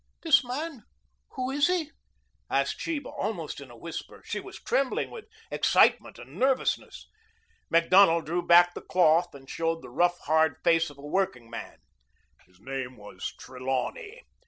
"This man who is he?" asked Sheba, almost in a whisper. She was trembling with excitement and nervousness. Macdonald drew back the cloth and showed the rough, hard face of a workingman. "His name was Trelawney.